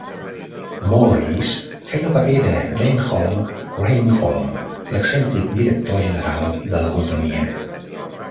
Morris feia el paper de Denholm Reynholm, l"excèntric director general de la companyia.